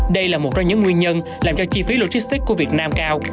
đây là một trong những nguyên nhân làm cho chi phí logistics của việt nam cao